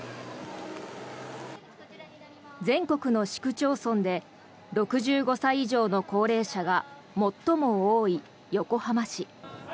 全国の市区町村で６５歳以上の高齢者が最も多い横浜市。